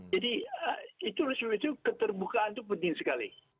jadi itu resmi itu keterbukaan itu penting sekali